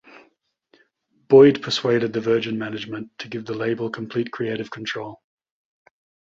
Boyd persuaded the Virgin management to give the label complete creative control.